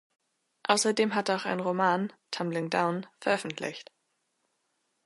Außerdem hat er auch einen Roman, "Tumbling Down" veröffentlicht.